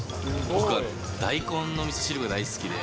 僕、大根のみそ汁大好きで。